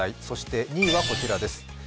そして２位はこちらです。